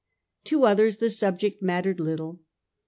To others the subject mattered little.